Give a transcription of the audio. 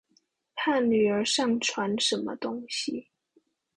怕女兒上傳了什麼東西